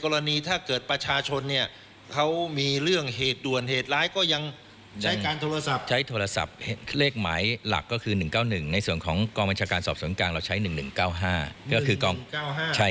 เลขหมายหลักก็คือ๑๙๑ในส่วนของกองบัญชาการสอบสนุนกลางเราใช้๑๑๙๕